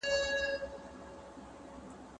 ولي د فابریکو د کارکوونکو روزنه مهمه ګڼل کېږي؟